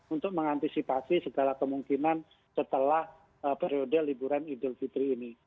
untuk mengantisipasi segala kemungkinan setelah periode liburan idul fitri ini